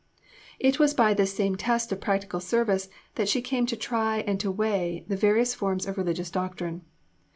It was by this same test of practical service that she came to try and to weigh the various forms of religious doctrine.